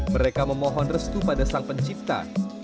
mereka memohon restu pada sang pencipta